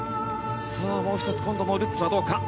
もう１つ今度もルッツはどうか。